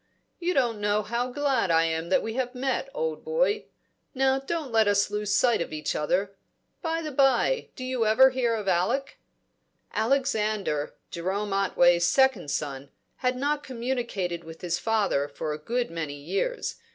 "You don't know how glad I am that we have met, old boy! Now don't let us lose sight of each other By the bye, do you ever hear of Alec?" Alexander, Jerome Otway's second son, had not communicated with his father for a good many years.